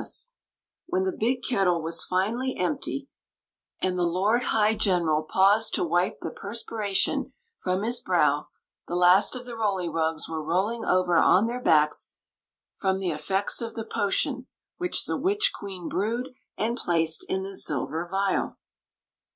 Story of the Magic Cloak 283 When the big kettle was finally empty and the lord high general paused to wipe the perspiration from his brow, the last of the Roly Rogues were rolling over on their backs from the effects of the potion which the witch queen brewed and placed in the Silver Vial.